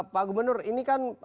pak gubernur ini kan